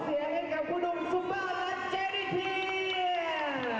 ขอเสียเห็นกับผู้นมซุปป้าและเจนิที